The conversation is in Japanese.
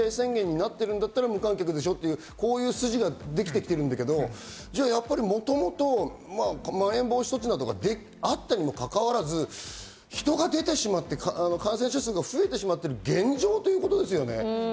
東京の感染者数が一気に増えて緊急事態宣言になってるんだったら、無観客でしょという筋ができてるんだけど、もともと、まん延防止措置があったにもかかわらず人が出てしまって感染者が増えてしまっている現状ということですよね。